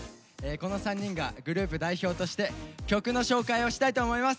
この３人がグループ代表として曲の紹介をしたいと思います。